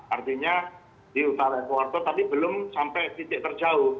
artinya di utara ekorto tapi belum sampai titik terjauh